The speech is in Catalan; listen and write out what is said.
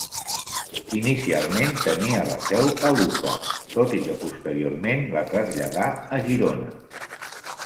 Inicialment tenia la seu a Lucca tot i que posteriorment la traslladà a Girona.